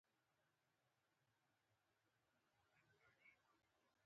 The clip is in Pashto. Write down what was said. ما کالم ولیکه چي د بېنظیر او طالبانو په تړاو و